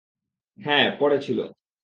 হ্যাঁ, পড়েছিল।